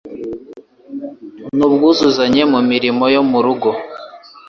n'ubwuzuzanye mu mirimo yo mu rugo